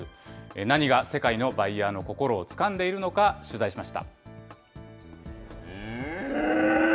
何が世界のバイヤーの心をつかんでいるのか、取材しました。